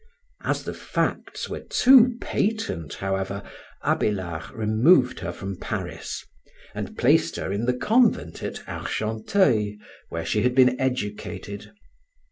As the facts were too patent, however, Abélard removed her from Paris, and placed her in the convent at Argenteuil, where she had been educated.